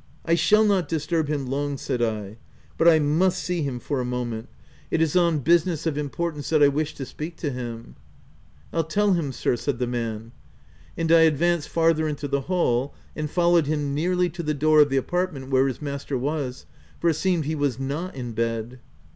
" I shall not disturb him long/' said I ;" but I must see him for a moment : it is on 158 THE TENANT business of importance that I wish to speak to him." CC F11 tell him sir," said the man. And I advanced farther into the hall and followed him nearly to the door of the apartment where his master was — for it seemed he was not in bed.